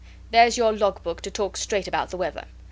There's your log book to talk straight about the weather.